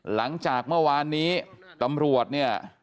หลังจากเมื่อวานนี้ตำรวจเนี่ย